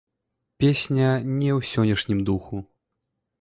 Песня не ў сённяшнім духу.